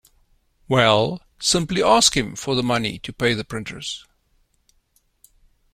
Well, simply ask him for the money to pay the printers.